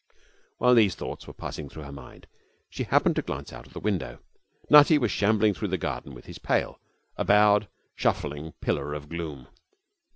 While these thoughts were passing through her mind she happened to glance out of the window. Nutty was shambling through the garden with his pail, a bowed, shuffling pillar of gloom.